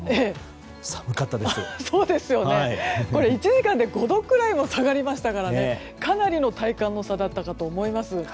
１時間で５度くらい下がりましたからかなりの体感の差だったと思います。